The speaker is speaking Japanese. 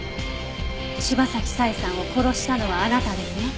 柴崎佐江さんを殺したのはあなたですね？